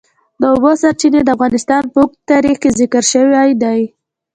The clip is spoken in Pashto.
د اوبو سرچینې د افغانستان په اوږده تاریخ کې ذکر شوی دی.